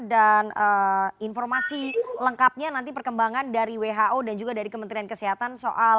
dan informasi lengkapnya nanti perkembangan dari who dan juga dari kementerian kesehatan soal